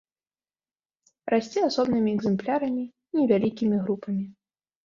Расце асобнымі экземплярамі і невялікімі групамі.